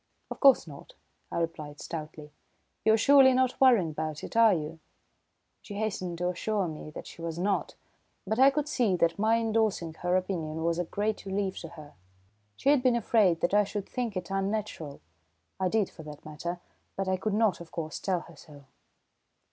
"Of course not," I replied stoutly. "You're surely not worrying about it, are you?" She hastened to assure me that she was not, but I could see that my indorsing her opinion was a great relief to her. She had been afraid that I should think it unnatural. I did for that matter, but I could not, of course, tell her so.